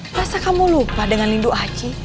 rasa kamu lupa dengan lindu aji